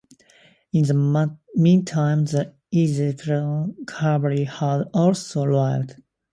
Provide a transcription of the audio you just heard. In the meantime the Egyptian cavalry had also arrived.